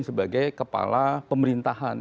sebagai kepala pemerintahan